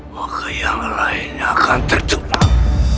maka yang lainnya akan tercepat